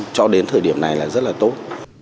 cho đến thời điểm này là rất là tốt